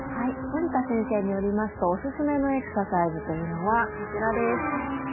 森田先生によりますとおすすめのエクササイズというのはこちらです。